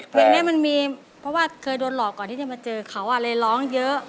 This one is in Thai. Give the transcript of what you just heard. เพราะว่าเคยโดนหลอกก่อนที่จะมาเจอเขาอ่ะเลยร้องเยอะ